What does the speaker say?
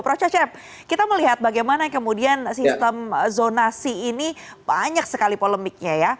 prof cecep kita melihat bagaimana kemudian sistem zonasi ini banyak sekali polemiknya ya